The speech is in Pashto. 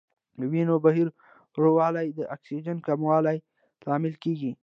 د وینې بهیر ورو والی د اکسیجن کموالي لامل کېږي.